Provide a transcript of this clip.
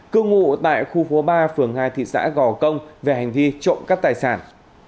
cư ngụ tại khu phố ba phường hai thị xã gò công về hành vi trộm cắp tài sản